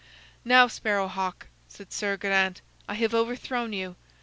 "Now, Sparrow hawk," said Sir Geraint, "I have overthrown you.